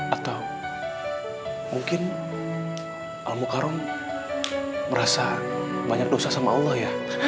atau mungkin al mukarram merasa banyak dosa sama allah ya